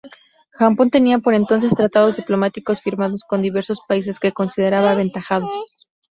Japón tenía por entonces tratados diplomáticos firmados con diversos países que consideraba aventajados.